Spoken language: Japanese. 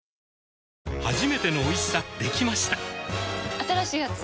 新しいやつ？